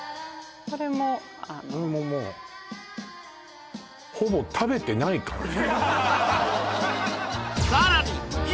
これもこれももうほぼ食べてない感じ